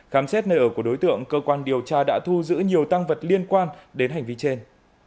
khám xét nơi ở của đối tượng cơ quan điều tra đã thu giữ nhiều tăng vật liên quan đến hành vi trên